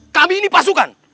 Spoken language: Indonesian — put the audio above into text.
kami ini pasukan